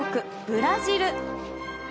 ブラジル。